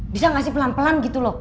bisa nggak sih pelan pelan gitu loh